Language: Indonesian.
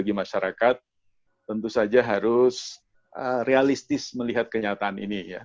bagi masyarakat tentu saja harus realistis melihat kenyataan ini ya